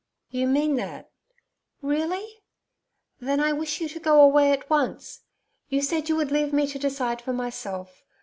'You mean that really? Then I wish you to go away at once. You said you would leave me to decide for myself.